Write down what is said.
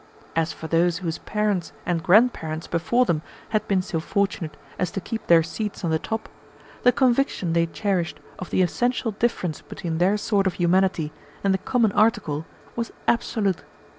As for those whose parents and grand parents before them had been so fortunate as to keep their seats on the top, the conviction they cherished of the essential difference between their sort of humanity and the common article was absolute.